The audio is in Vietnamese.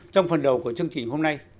trong phần đầu của chương trình hôm nay